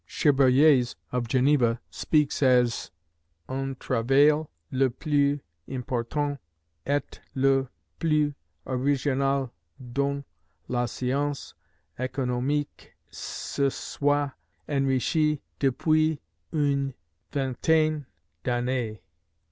Cherbuliez of Geneva speaks as "un travail le plus important et le plus original dont la science economique se soit enrichie depuis une vingtaine d'années."